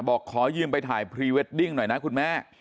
ขอยืมไปถ่ายพรีเวดดิ้งหน่อยนะคุณแม่